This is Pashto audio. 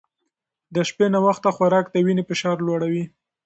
د شپې ناوخته خوراک د وینې فشار لوړوي.